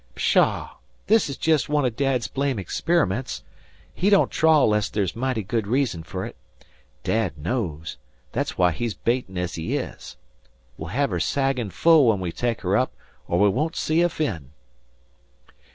"Pshaw! This is just one o' Dad's blame experiments. He don't trawl 'less there's mighty good reason fer it. Dad knows. Thet's why he's baitin' ez he is. We'll hev her saggin' full when we take her up er we won't see a fin."